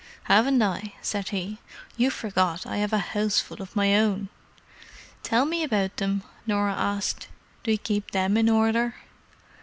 "Haven't I?" said he. "You forget I have a houseful of my own." "Tell me about them," Norah asked. "Do you keep them in order?"